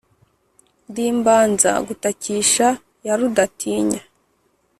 Ndi imbanza gutakisha ya Rudatinya